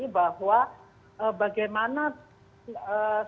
bahwa bagaimana protokolnya